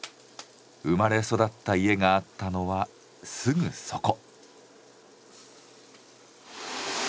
生まれ育った家があったのはすぐそこ。